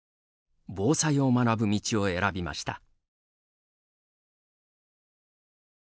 防災を学ぶ道を選びました。